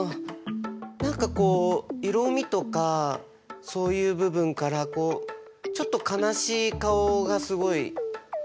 何かこう色みとかそういう部分からちょっと悲しい顔がすごい伝わってくるというか。